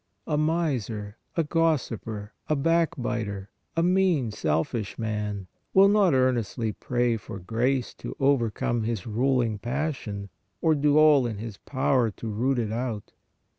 A miser, a gossiper, a backbiter, a mean, selfish man, will not earnestly pray for grace to overcome his ruling passion or do all in his power to root it out.